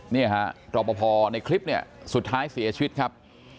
เนี่ยฮะรอปภในคลิปเนี่ยสุดท้ายเสียชีวิตครับ